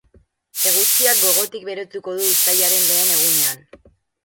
Eguzkiak gogotik berotuko du uztailaren lehen egunean.